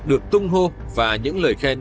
được tung hô và những lời khen